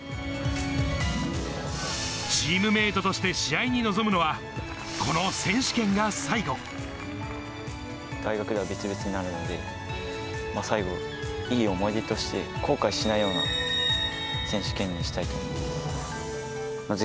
チームメートとして試合に臨大学では別々になるので、最後、いい思い出として後悔しないような選手権にしたいと思います。